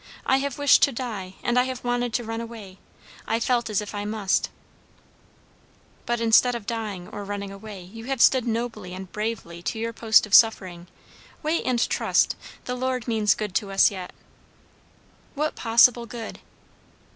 I have wished to die, and I have wanted to run away I felt as if I must" "But instead of dying or running away, you have stood nobly and bravely to your post of suffering. Wait and trust. The Lord means good to us yet." "What possible good?"